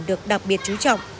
được đặc biệt chú trọng